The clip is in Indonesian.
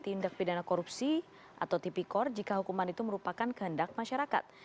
tindak pidana korupsi atau tipikor jika hukuman itu merupakan kehendak masyarakat